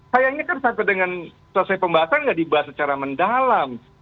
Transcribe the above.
sayangnya kan sampai dengan selesai pembahasan nggak dibahas secara mendalam